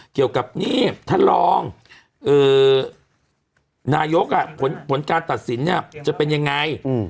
เกี่ยวกับนี่ท่านรองนายกผลการตัดสินเนี่ยจะเป็นยังไง